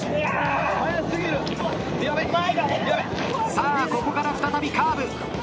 さあここから再びカーブ。